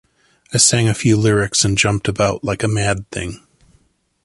I sang a few lyrics and jumped about like a mad thing.